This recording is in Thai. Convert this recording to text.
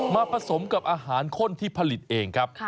ผสมกับอาหารข้นที่ผลิตเองครับ